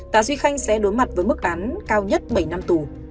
tạ duy khanh sẽ đối mặt với mức đán cao nhất bảy năm tù